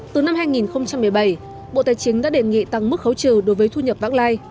từ năm hai nghìn một mươi bảy bộ tài chính đã đề nghị tăng mức khấu trừ đối với thu nhập vãng lai